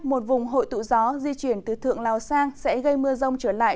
một vùng hội tụ gió di chuyển từ thượng lào sang sẽ gây mưa rông trở lại